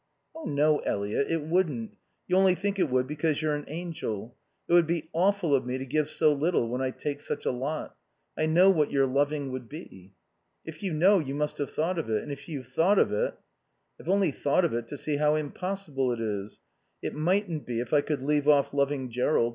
"Oh no, Eliot, it wouldn't. You only think it would because you're an angel. It would be awful of me to give so little when I take such a lot. I know what your loving would be." "If you know you must have thought of it. And if you've thought of it " "I've only thought of it to see how impossible it is. It mightn't be if I could leave off loving Jerrold.